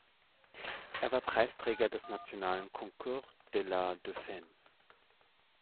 Er war Preisträger des nationalen Concours de La Defense.